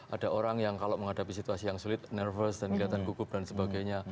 ada orang yang kalau menghadapi situasi yang sulit nervous dan kelihatan gugup dan sebagainya